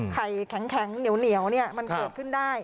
ไข่แข็งเหนียวมันเกิดขึ้นได้